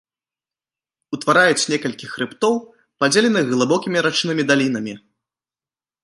Утвараюць некалькі хрыбтоў, падзеленых глыбокімі рачнымі далінамі.